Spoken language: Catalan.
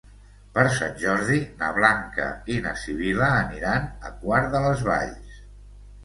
Per Sant Jordi na Blanca i na Sibil·la aniran a Quart de les Valls.